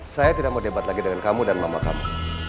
saya tidak mau debat lagi dengan kamu dan mama kamu